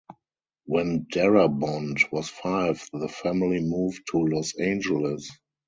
When Darabont was five the family moved to Los Angeles.